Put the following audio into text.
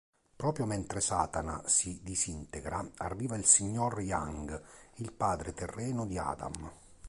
Proprio mentre Satana si disintegra arriva il signor Young, il padre terreno di Adam.